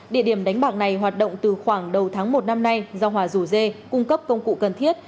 địa điểm đánh bạc này hoạt động từ khoảng đầu tháng một năm nay do hòa rủ dê cung cấp công cụ cần thiết